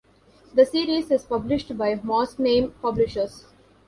The series is published by Moznaim Publishers.